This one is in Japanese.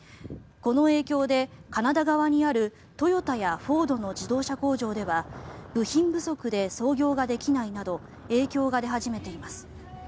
この影響でカナダ側にあるトヨタやフォードの自動車工場では部品不足で操業ができないなど影響が出始めています。